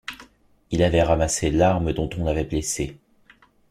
Il avait ramassé l’arme dont on l’avait blessé.